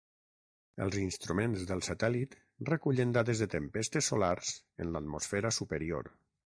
Els instruments del satèl·lit recullen dades de tempestes solars en l'atmosfera superior.